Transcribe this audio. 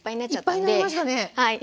いっぱいになりましたねはい。